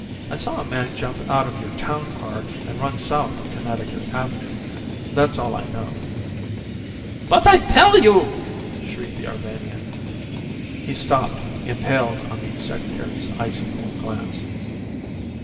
I saw a man jump out of your town car and run south on Connecticut Avenue. That's all I know." "But I tell you " shrieked the Arvanian. He stopped, impaled on the Secretary's icy cold glance.